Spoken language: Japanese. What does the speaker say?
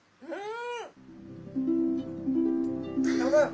うん！